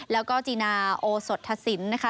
แล้วก็จีนาโอสดทศิลป์